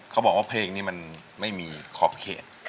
เขาบอกว่าเพลงนี้มันไม่มีขอบเขต